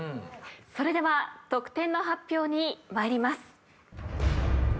それでは得点の発表に参ります。